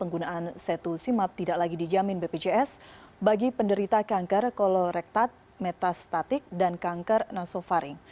penggunaan setusimab tidak lagi dijamin bpjs bagi penderita kanker kolorektat metastatik dan kanker nasofaring